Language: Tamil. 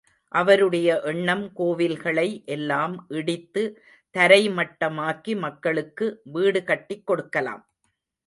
அவருடைய எண்ணம் கோவில்களை எல்லாம் இடித்து தரைமட்டமாக்கி மக்களுக்கு வீடு கட்டிக் கொடுக்கலாம்.